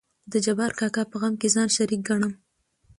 د جبار کاکا په غم کې ځان شريک ګنم.